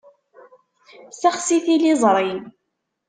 Sexsi tiliẓṛi.